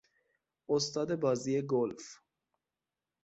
استاد بازی گلف